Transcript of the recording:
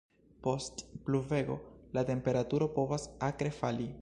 Post pluvego, la temperaturo povas akre fali.